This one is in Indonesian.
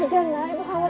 aja lah ibu khawatir